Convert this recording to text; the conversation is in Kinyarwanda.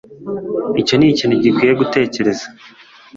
Icyo nikintu gikwiye gutekereza.